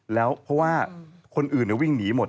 แล้วเพราะว่าคนอื่นวิ่งหนีหมด